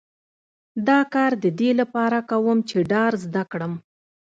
دا کار د دې لپاره کوم چې ډار زده کړم